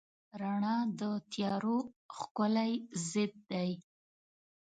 رڼا د تیارو ښکلی ضد دی.